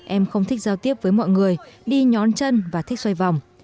em không thích giao tiếp với mọi người đi nhóm chân và thích xoay vòng